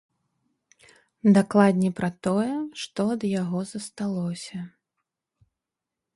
Дакладней пра тое, што ад яго засталося.